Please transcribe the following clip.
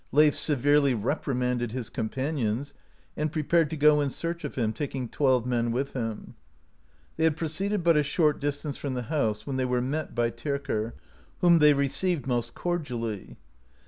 Leif severely reprimanded his companions, and prepared to go in search of him, taking twelve men with him* They had proceeded but a short distance from the house when they were met by Tyrker, whom they received most cordially.